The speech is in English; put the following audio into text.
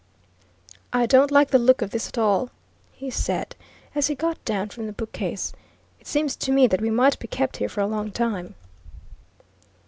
"I don't like the look of this at all!" he said as he got down from the bookcase. "It seems to me that we might be kept here for a long time."